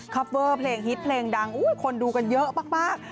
เฟอร์เพลงฮิตเพลงดังคนดูกันเยอะมาก